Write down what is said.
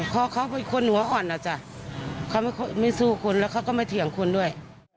เขาก็ไม่สู้และเขาก็ไม่เถียงคุณด้วย